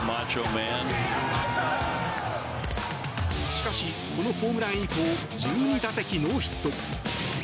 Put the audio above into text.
しかし、このホームラン以降１２打席ノーヒット。